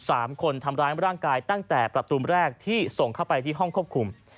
สามคนทำร้ายร่างกายตั้งแต่ประตูแรกที่ส่งเข้าไปที่ห้องควบคุม